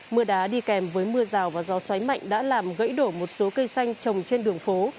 mưa đá đi kèm với mưa rào và gió xoáy mạnh đã làm gãy đổ một số cây xanh trồng trên đường phố